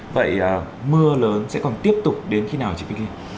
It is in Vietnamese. vậy mưa lớn sẽ còn tiếp tục đến khi nào chị vicky